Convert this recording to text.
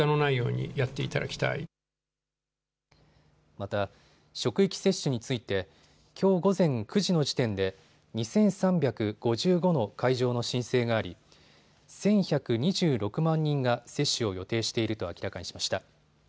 また、職域接種についてきょう午前９時の時点で２３５５の会場の申請があり１１２６万人が接種を予定していると明らかにしました。